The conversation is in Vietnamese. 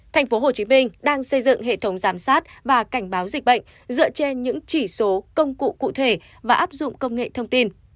tp hcm đang xây dựng hệ thống giám sát và cảnh báo dịch bệnh dựa trên những chỉ số công cụ cụ thể và áp dụng công nghệ thông tin